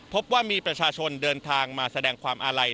พบว่ามีประชาชนเดินทางมาแสดงความอาลัย